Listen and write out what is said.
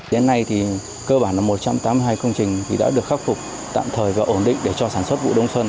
đến nay thì cơ bản là một trăm tám mươi hai công trình đã được khắc phục tạm thời và ổn định để cho sản xuất vụ đông xuân